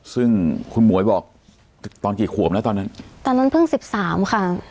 ซึ่งคุณหมวยบอกตอนกี่ขวบแล้วตอนนั้นตอนนั้นเพิ่งสิบสามค่ะ